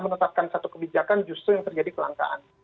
menetapkan satu kebijakan justru yang terjadi kelangkaan